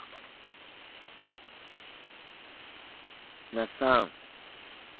那須さん。